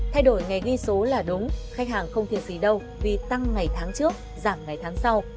thay đổi ngày ghi số là đúng khách hàng không thiệt gì đâu vì tăng ngày tháng trước giảm ngày tháng sau